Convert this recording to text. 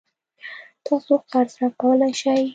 تاسو قرض راکولای شئ؟